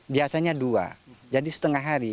biasanya dua jadi setengah hari